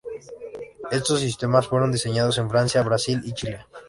Estos sistemas fueron diseñados en Francia, Brasil y Chile.